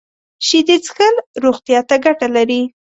شیدې څښل روغتیا ته ګټه لري